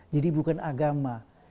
jadi bukan agama